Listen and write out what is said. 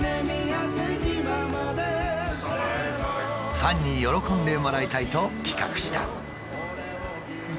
ファンに喜んでもらいたいと企画した。